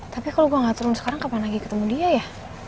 tapi kalau gue gak turun sekarang kapan lagi ketemu dia ya